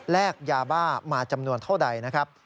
แลกยาบ้ามาจำนวนเท่าไหนนะครับ